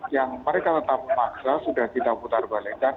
yang mereka tetap maksa sudah kita putar balikan